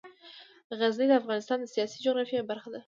غزني د افغانستان د سیاسي جغرافیه برخه ده.